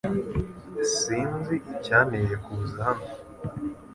Sinzi icyanteye kuza hano .